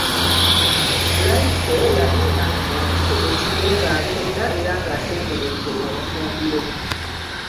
Livesey yali avvuunuse ekigo ng'ali munda era ng'asemberedde omufumbiro.